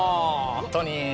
本当に。